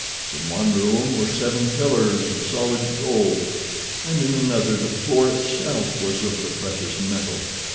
In one room were seven pillars of solid gold, and in another the floor itself was of the precious metal.